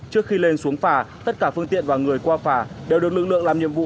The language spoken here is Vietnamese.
trước khi lên xuống phà tất cả phương tiện và người qua phà đều được lực lượng làm nhiệm vụ